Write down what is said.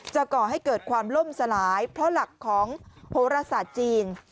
ก่อให้เกิดความล่มสลายเพราะหลักของโหรศาสตร์จีน